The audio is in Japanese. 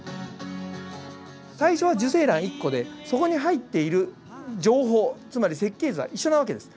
最初は受精卵１個でそこに入っている情報つまり設計図は一緒な訳です。